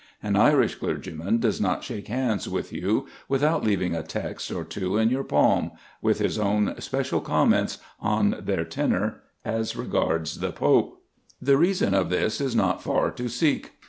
An Irish clergyman does not shake hands with you without leaving a text or two in your palm, with his own special comments on their tenour as regards the Pope. The reason of this is not far to seek.